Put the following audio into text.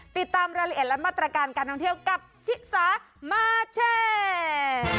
ติดตามรายละเอียดและมาตรการการท่องเที่ยวกับชิสามาแชร์